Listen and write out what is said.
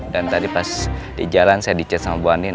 dan tadi pas di jalan saya dicat sama bu andin